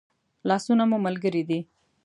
لاسونه مو ملګري دي